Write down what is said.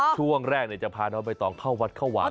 ช่วงแรกจะพาน้องไปต่อข้าววัดเข้าหวานก่อน